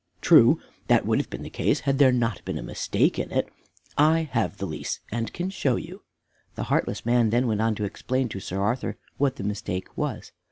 "True, that would have been the case had there not been a mistake in it. I have the lease and can show you." The heartless man then went on to explain to Sir Arthur what the mistake was.